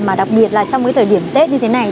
mà đặc biệt là trong cái thời điểm tết như thế này